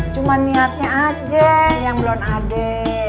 cuma niatnya aja yang belum ade